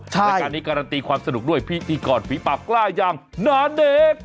รายการนี้การันตีความสนุกด้วยพิธีกรฝีปากกล้าอย่างนาเด็ก